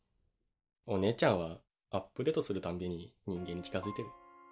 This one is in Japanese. お姉ちゃんはアップデートするたんびに人間に近づいてる。